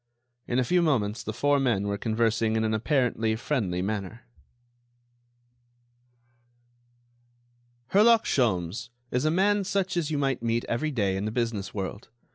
In a few moments the four men were conversing in an apparently friendly manner. Herlock Sholmes is a man such as you might meet every day in the business world.